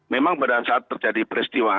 memang pada saat terjadi peristiwa